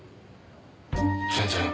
全然。